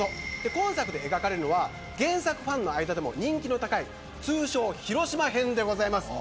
今作で描かれるのは原作ファンの間でも人気の高い通称、広島編です。